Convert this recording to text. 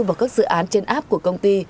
vào các dự án trên app của công ty